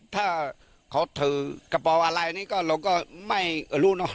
ถ้าเขาถือกระเป๋าอะไรนี่ก็เราก็ไม่รู้เนอะ